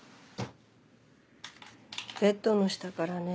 ベッドの下からね